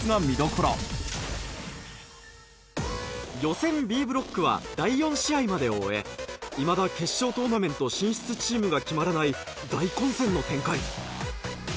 見どころ予選Ｂブロックは第４試合までを終えいまだ決勝トーナメント進出チームが決まらない大混戦の展開